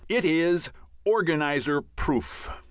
It is organizer proof.